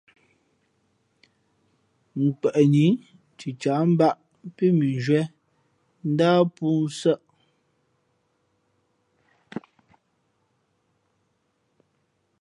Kweꞌnǐ cicǎh mbāꞌ pí mʉnzhwíé ndáh pōō nsάʼ.